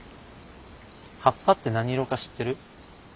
葉っぱって何色か知ってる？